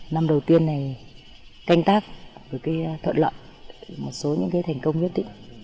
năm đầu tiên này canh tác thuận lợn một số những thành công nhất